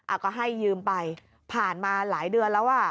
ก็ให้ยืมไปผ่านมาหลายเดือนแล้วอ่ะ